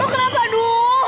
lo kenapa du